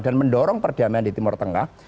dan mendorong perdamaian di timur tengah